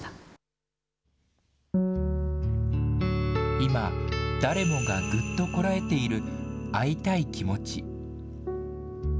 今、誰もがぐっとこらえている、会いたい気持ち。